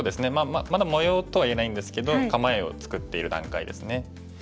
まだ模様とは言えないんですけど構えを作っている段階ですね。